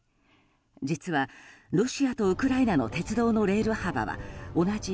実は、ロシアとウクライナの鉄道のレール幅は同じ１５２４ｍｍ。